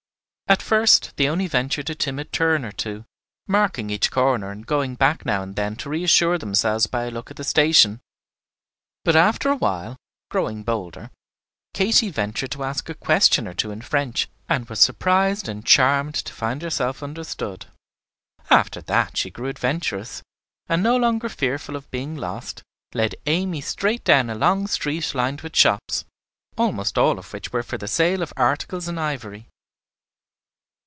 At first they only ventured a timid turn or two, marking each corner, and going back now and then to reassure themselves by a look at the station; but after a while, growing bolder, Katy ventured to ask a question or two in French, and was surprised and charmed to find herself understood. After that she grew adventurous, and, no longer fearful of being lost, led Amy straight down a long street lined with shops, almost all of which were for the sale of articles in ivory.